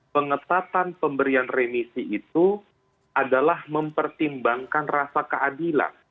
pengetatan pemberian remisi itu adalah mempertimbangkan rasa keadilan